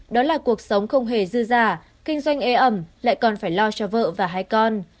đó là cuộc sống không hề dư giả kinh doanh ế ẩm lại còn phải lo cho vợ và hai con